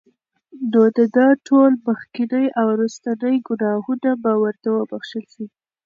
نو د ده ټول مخکيني او وروستني ګناهونه به ورته وبخښل شي